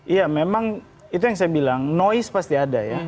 iya memang itu yang saya bilang noise pasti ada ya